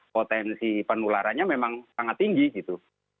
potensi penularannya memang sangat tinggi gitu